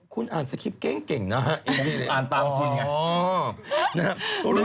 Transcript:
คุณอ่านสกิฟต์เก่งนะฮะอินซีเล็ก